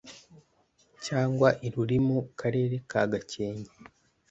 cyangwa i Rurimu karere ka Gakenke